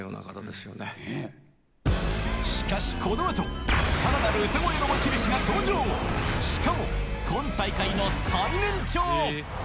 しかしこの後さらなる歌声の持ち主が登場しかも今大会の最年長！